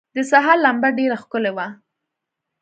د سهار لمبه ډېره ښکلي وه.